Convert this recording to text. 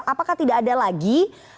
apakah tidak ada lagi